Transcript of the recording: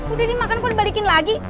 udah dimakan kok dibalikin lagi